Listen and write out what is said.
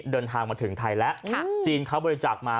เดินทางมาถึงไทยแล้วจีนเขาบริจาคมา